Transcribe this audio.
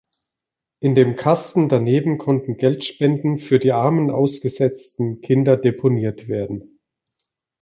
In dem Kasten daneben konnten Geldspenden „für die armen ausgesetzten“ Kinder deponiert werden.